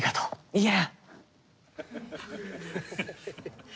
いや。